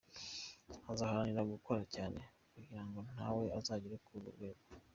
Azaharanira gukora cyane kugira ngo nawe azagere kuri urwo rwego.